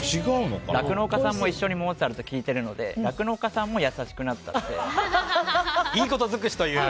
酪農家さんも一緒にモーツァルト聴いてるので酪農家さんも優しくなったっていう。